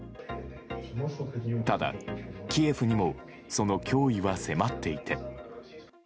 ただ、キエフにもその脅威は迫っていて。